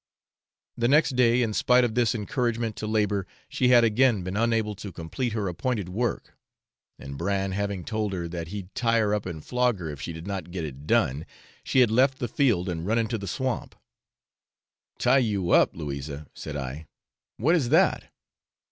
The next day, in spite of this encouragement to labour, she had again been unable to complete her appointed work; and Bran having told her that he'd tie her up and flog her if she did not get it done, she had left the field and run into the swamp. 'Tie you up, Louisa!' said I, 'what is that?'